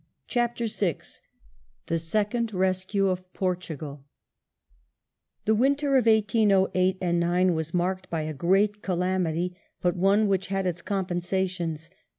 CHAPTER VI THE SECOND RESCUE OF PORTUGAL The winter of 1808 9 was marked by a great calamity, but one which had its compensations.